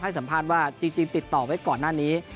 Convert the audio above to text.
สัมภาษณ์ว่าจริงติดต่อไว้ก่อนหน้านี้